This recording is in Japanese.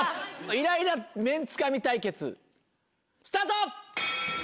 イライラ麺つかみ対決スタート！